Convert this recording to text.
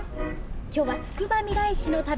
今日はつくばみらい市の旅。